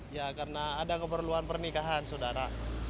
ya karena ada keperluan pernikahan saudara